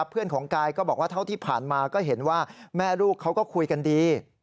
เพื่อนของกายก็บอกว่าเท่าที่ผ่านมาก็เห็นว่าแม่ลูกเขาก็คุยกันดี